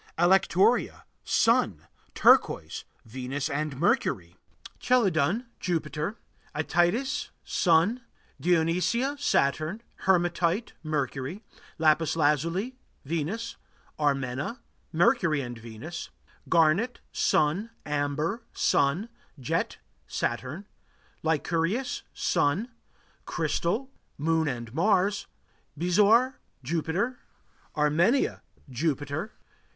Alectoria Sun. Turquoise Venus and Mercury. Chelidon Jupiter. Ætites Sun. Dionesia Saturn. Hematite Mercury. Lapis lazuli Venus. Armena Mercury and Venus. Garnet Sun. Amber Sun. Jet Saturn. Lyncurius Sun. Crystal Moon and Mars. Bezoar Jupiter. Armenia Jupiter.